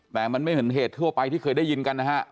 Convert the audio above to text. แต่มันไม่เหมือนเหตุทั่วไปที่เคยได้ยินกันนะฮะ